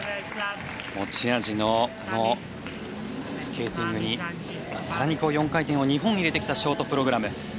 持ち味のスケーティングに更に４回転を２本入れてきたショートプログラム。